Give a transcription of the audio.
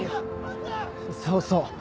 そうそう。